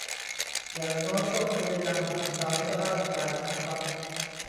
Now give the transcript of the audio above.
อย่างน้อยก็พยายามทำร้ายร่างกายนะครับ